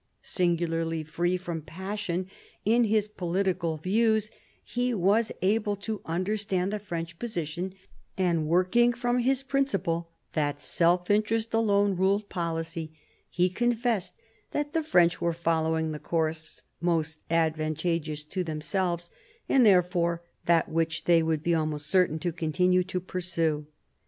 Singularly free from passion in his political views, he was able to understand the French position ; and, working from his principle that self interest alone ruled policy, he con fessed that the French were following the course most advantageous to themselves, and therefore that which they would be almost certain to continue to pursue.